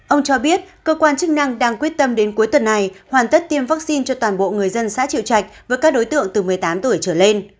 ông cho biết cơ quan chức năng đang quyết tâm đến cuối tuần này hoàn tất tiêm vaccine cho toàn bộ người dân xã triệu trạch với các đối tượng từ một mươi tám tuổi trở lên